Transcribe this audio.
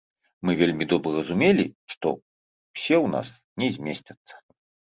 Мы вельмі добра разумелі, што ўсе ў нас не змесцяцца.